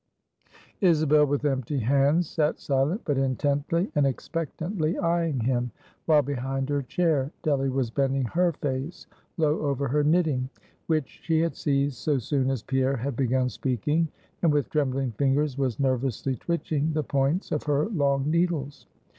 Isabel with empty hands sat silent, but intently and expectantly eying him; while behind her chair, Delly was bending her face low over her knitting which she had seized so soon as Pierre had begun speaking and with trembling fingers was nervously twitching the points of her long needles.